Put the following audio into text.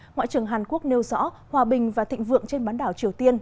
ngoại trưởng hàn quốc nêu rõ hòa bình và thịnh vượng trên bán đảo triều tiên